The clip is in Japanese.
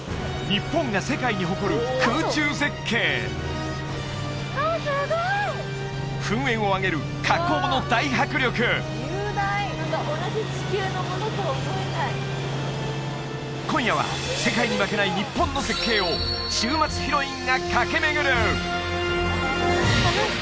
日本が世界に誇る空中絶景噴煙を上げる火口の大迫力今夜は世界に負けない日本の絶景を週末ヒロインが駆け巡る！